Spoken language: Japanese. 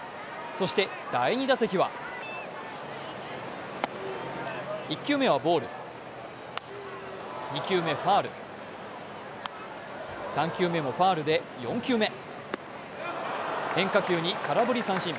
そして第２打席は１球目はボール、２球目、ファウル、３球目もファウルで４球目変化球に空振り三振。